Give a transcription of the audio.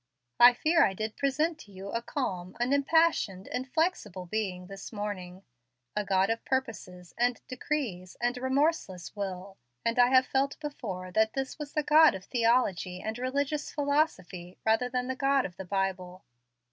I fear I did present to you a calm, unimpassioned, inflexible Being this morning, a God of purposes and decrees and remorseless will; and I have felt before that this was the God of theology and religious philosophy, rather than the God of the Bible.